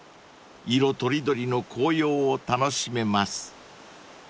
［色とりどりの紅葉を楽しめます］